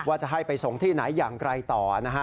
จะให้ไปส่งที่ไหนอย่างไรต่อนะฮะ